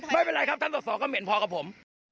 ไม่เป็นไรครับท่านตรวจสอบก็เหม็นพอกับผม